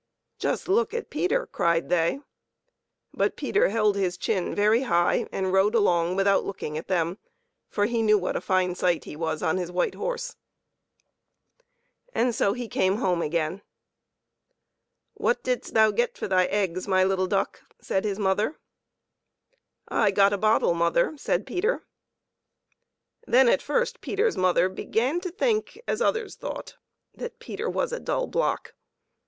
49 " Just look at Peter !" cried they ; but Peter held his chin very high, and rode along with out looking at them, for he knew what a fine sight he was on his white horse. And so he came home again. " What didst thou get for thy eggs, my little duck ?" said his mother. " I got a bottle, mother," said Peter. Then at first Peter's mother began to think as others thought, that Peter was a dull block.